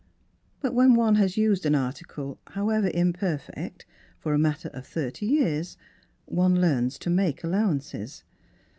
But when one has used an article, however imperfect, for a matter of thirty years, one learns to make allow ances.